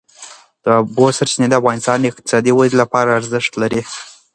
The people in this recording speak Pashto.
د اوبو سرچینې د افغانستان د اقتصادي ودې لپاره ارزښت لري.